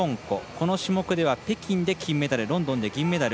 この種目では北京で金メダルロンドンで銀メダル。